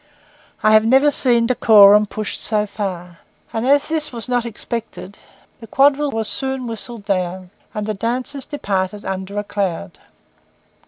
I have never seen decorum pushed so far; and as this was not expected, the quadrille was soon whistled down, and the dancers departed under a cloud.